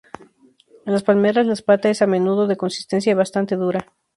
En las palmeras la espata es a menudo de consistencia bastante dura.